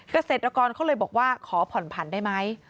เกษตรกรเขาเลยบอกว่าขอผ่อนผันได้ไหม